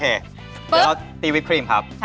เดี๋ยวเราตีวิปครีมครับ